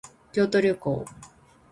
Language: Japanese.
京都旅行